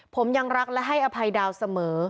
ผมยังรักและให้อภัยดาวเสมอ